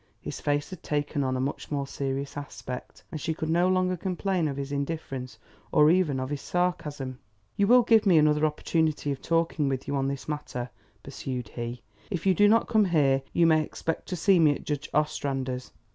His face had taken on a much more serious aspect, and she could no longer complain of his indifference or even of his sarcasm. "You will give me another opportunity of talking with you on this matter," pursued he. "If you do not come here, you may expect to see me at Judge Ostrander's.